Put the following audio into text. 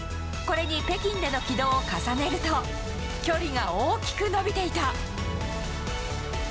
これに北京での軌道を重ねると距離が大きく延びていた。